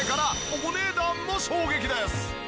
お値段も衝撃です！